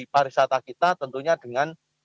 pariwisata kita tentunya dengan